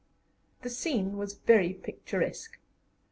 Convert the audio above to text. The scene was very picturesque.